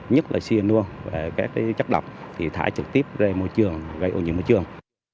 nhất là cyanur các chất độc thì thải trực tiếp ra môi trường gây ô nhiễm môi trường